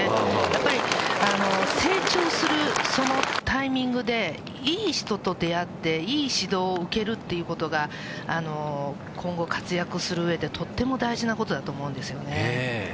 やっぱり成長するそのタイミングで、いい人と出会って、いい指導を受けるっていうことが、今後、活躍するうえでとっても大事なことだと思うんですよね。